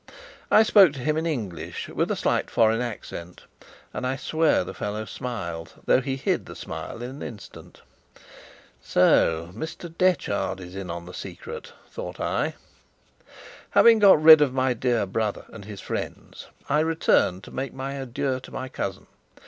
I spoke to him in English, with a slight foreign accent, and I swear the fellow smiled, though he hid the smile in an instant. "So Mr. Detchard is in the secret," thought I. Having got rid of my dear brother and his friends, I returned to make my adieu to my cousin.